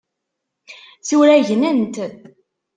Tura gnent.